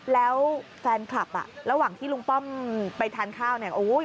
แล้วแฟนคลับอ่ะระหว่างที่ลุงป้อมไปทานข้าวเนี่ย